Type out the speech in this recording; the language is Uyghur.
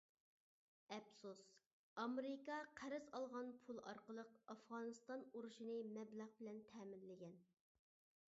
ئەپسۇس، ئامېرىكا قەرز ئالغان پۇل ئارقىلىق ئافغانىستان ئۇرۇشىنى مەبلەغ بىلەن تەمىنلىگەن.